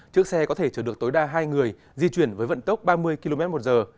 chiếc xe có thể chở được tối đa hai người di chuyển với vận tốc ba mươi km một giờ